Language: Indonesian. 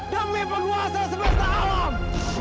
demi penguasa semesta alam